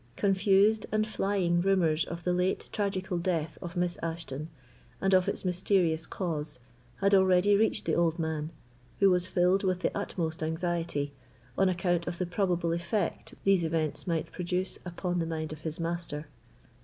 Confused and flying rumours of the late tragical death of Miss Ashton, and of its mysterious cause, had already reached the old man, who was filled with the utmost anxiety, on account of the probable effect these events might produce upon the mind of his master.